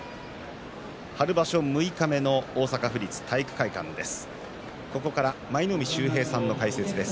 春場所六日目の大阪府立体育会館です。